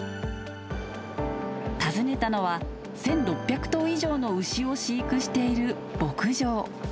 訪ねたのは１，６００頭以上の牛を飼育している牧場。